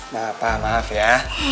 bapak maaf ya